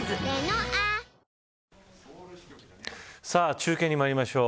中継にまいりましょう。